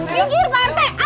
minggir pak rt